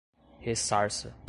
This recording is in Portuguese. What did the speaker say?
ressarça